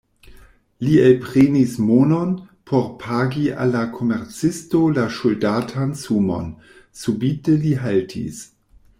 Li elprenis monon, por pagi al la komercisto la ŝuldatan sumon, subite li haltis.